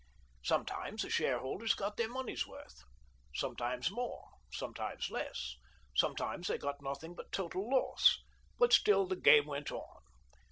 Sometimes the shareholders got their money's worth, sometimes more, sometimes less — sometimes they got nothing 153 154 THE DORRINGTON DEED BOX but total loss ; but still the game went on.